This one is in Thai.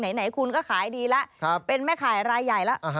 ไหนคุณก็ขายดีแล้วเป็นแม่ขายรายใหญ่แล้ว